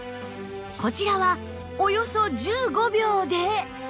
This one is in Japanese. こちらはおよそ１５秒で